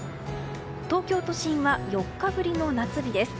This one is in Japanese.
東京都心は４日ぶりの夏日です。